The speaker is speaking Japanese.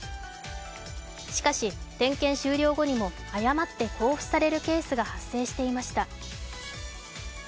しかし、点検終了後にも、誤って交付されるケースが発生していました。